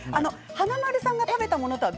華丸さんが食べたものとは